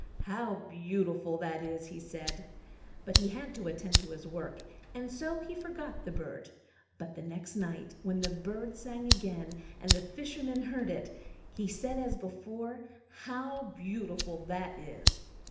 "How beautiful that is!" he said; but he had to attend to his work, and so he forgot the bird. But the next night, when the bird sang again, and the Fisherman heard it, he said as before, "How beautiful that is!"